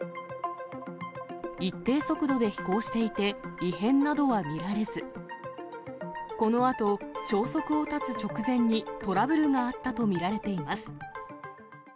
一定速度で飛行していて、異変などは見られず、このあと、消息を絶つ直前にトラブルがあったと見られています。